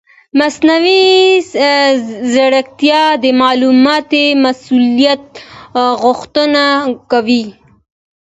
مصنوعي ځیرکتیا د معلوماتي مسؤلیت غوښتنه کوي.